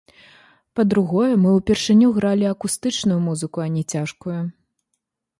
Па-другое, мы ўпершыню гралі акустычную музыку, а не цяжкую.